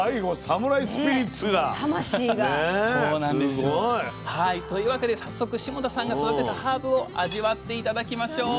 すごい。というわけで早速霜多さんが育てたハーブを味わって頂きましょう。